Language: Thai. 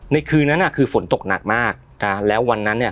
คืนนั้นอ่ะคือฝนตกหนักมากอ่าแล้ววันนั้นเนี่ย